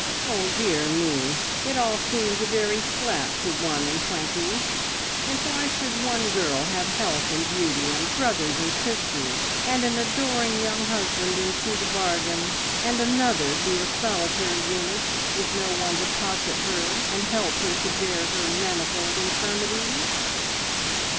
Oh dear me! It all seemed very flat to one and twenty, and why should one girl have health and beauty, and brothers and sisters, and an adoring young husband into the bargain, and another be a solitary unit, with no one to cosset her and help her to bear her manifold infirmities?